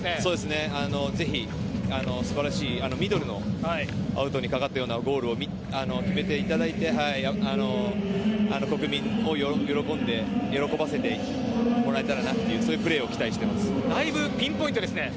ぜひ素晴らしいミドルのアウトにかかったようなゴールを決めていただいて、国民を喜ばせてもらえたらなというだいぶピンポイントですね。